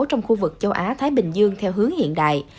trong khu vực châu á thái bình dương theo hướng hiện đại